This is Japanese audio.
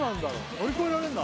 乗り越えられんの？